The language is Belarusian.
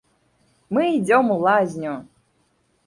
Мы ідзём у лазню!